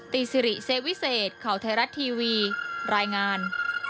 สิริเซวิเศษข่าวไทยรัฐทีวีรายงาน